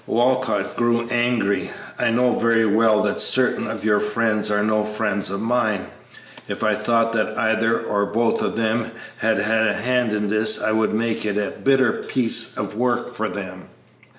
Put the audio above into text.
Walcott grew angry. "I know very well that certain of your friends are no friends of mine. If I thought that either or both of them had had a hand in this I would make it a bitter piece of work for them!"